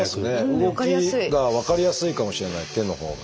動きが分かりやすいかもしれない手のほうが。